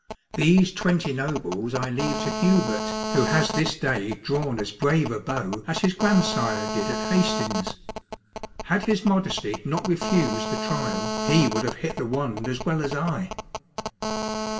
These twenty nobles I leave to Hubert, who has this day drawn as brave a bow as his grandsire did at Hastings. Had his modesty not refused the trial, he would have hit the wand as well as I."